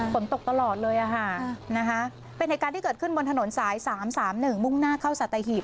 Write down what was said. ฝนตกตลอดเลยเป็นเหตุการณ์ที่เกิดขึ้นบนถนนสาย๓๓๑มุ่งหน้าเข้าสัตหีบ